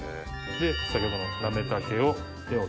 先ほどのなめたけを。